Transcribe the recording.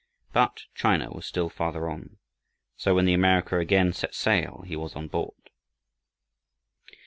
But China was still farther on, so when the America again set sail, he was on board.